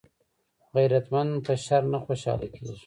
غیرتمند په شر نه خوشحاله کېږي